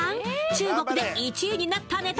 中国で１位になったネタ